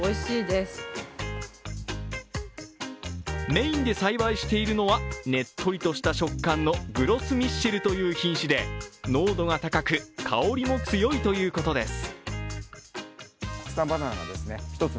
メーンで栽培しているのはねっとりとした食感のグロス・ミッシェルという品種で濃度が高く香りも強いということです。